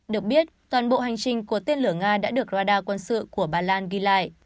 được biết toàn bộ hành trình của tên lửa nga đã được radar quân sự của ba lan ghi lại